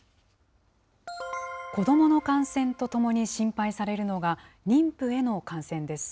子どもの感染とともに心配されるのが、妊婦への感染です。